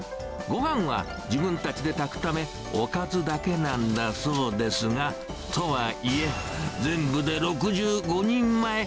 ごはんは自分たちで炊くため、おかずだけなんだそうですが、とはいえ、全部で６５人前。